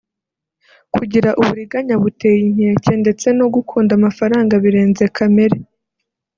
kugira uburiganya butey’inkeke ndetse no gukunda amafaranga birenze kamere